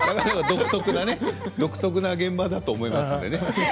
独特な現場だと思います。